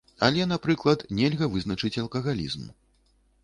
Але, напрыклад, нельга вызначыць алкагалізм.